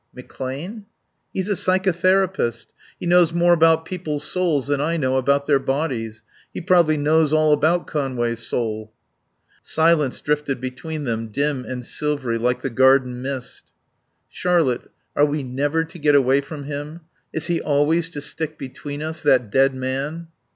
"McClane?" "He's a psychotherapist. He knows more about people's souls than I know about their bodies. He probably knows all about Conway's soul." Silence drifted between them, dim and silvery like the garden mist. "Charlotte are we never to get away from him? Is he always to stick between us? That dead man."